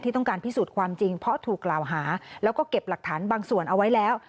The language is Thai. ต้องการพิสูจน์ความจริงเพราะถูกกล่าวหาแล้วก็เก็บหลักฐานบางส่วนเอาไว้แล้ว